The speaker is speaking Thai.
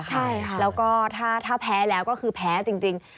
ใช่ค่ะแล้วก็ถ้าแพ้แล้วก็คือแพ้จริง